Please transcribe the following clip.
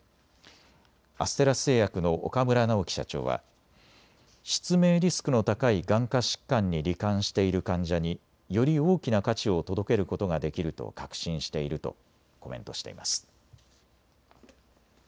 アステラス製薬の岡村直樹社長は、失明リスクの高い眼科疾患にり患している患者により大きな価値を届けることができると確信しているとコメントしています。